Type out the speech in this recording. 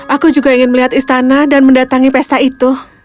aku juga ingin melihat istana dan mendatangi pesta itu